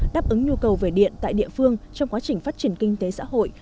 đáp ứng nhu cầu về điện tại địa phương trong quá trình phát triển kinh tế xã hội